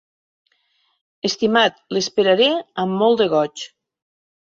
Estimat, l'esperaré amb molt de goig.